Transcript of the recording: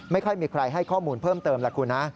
ไม่ค่อยมีใครให้ข้อมูลเพิ่มเติมล่ะคุณนะ